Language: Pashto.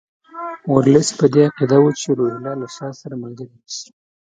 ورلسټ په دې عقیده وو چې روهیله له شاه سره ملګري نه شي.